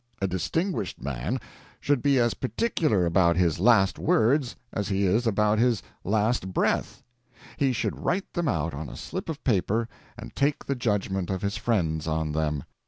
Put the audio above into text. A distinguished man should be as particular about his last words as he is about his last breath. He should write them out on a slip of paper and take the judgment of his friends on them.